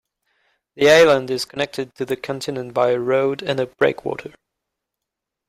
The island is connected to the continent by a road and a breakwater.